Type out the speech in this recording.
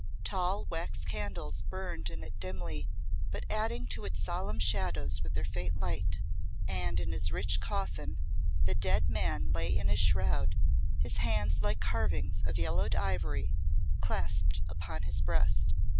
Tall wax candles burned in it dimly, but adding to its solemn shadows with their faint light; and in his rich coffin the dead man lay in his shroud, his hands like carvings of yellowed ivory clasped upon his breast.